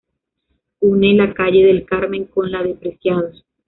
Une la calle del Carmen con la de Preciados.